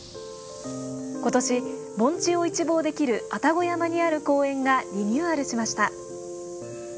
今年、盆地を一望できる愛宕山にある公園がリニューアルしました。